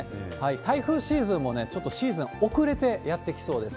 台風シーズンも、ちょっとシーズン遅れてやって来そうです。